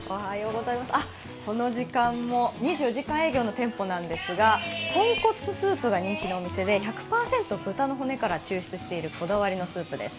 あっ、この時間も２４時間営業の店舗なんですが豚骨スープが人気のお店で１００％豚骨でこだわりのスープです